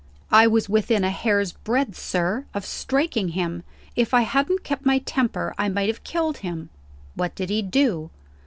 "I was within a hair's breadth, sir, of striking him. If I hadn't kept my temper, I might have killed him." "What did he do?"